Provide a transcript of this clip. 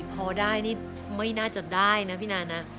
พอได้นี่ไม่น่าจะได้นะพี่นานะ